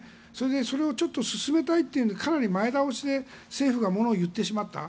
それを進めたいということでかなり前倒しで政府が物を言ってしまった。